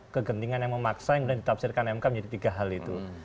kegentingan yang memaksa yang kemudian ditafsirkan mk menjadi tiga hal itu